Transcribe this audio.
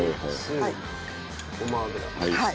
はい。